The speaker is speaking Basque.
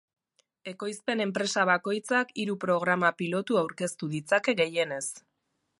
Ekoizpen enpresa bakoitzak hiru programa pilotu aurkeztu ditzake gehienez.